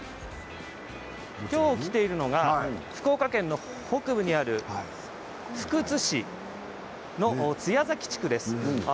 きょう来ているのは福岡県の北部にある福津市の津屋崎地区です。